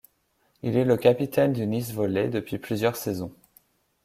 Il est le capitaine du Nice Volley depuis plusieurs saisons.